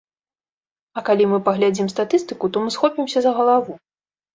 А калі мы паглядзім статыстыку, то мы схопімся за галаву.